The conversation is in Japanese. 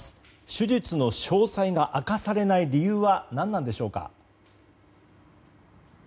手術の詳細が明かされない理由は何なのでしょうか。